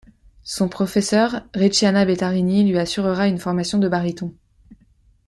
Son professeur, Ricciana Bettarini lui assurera une formation de baryton.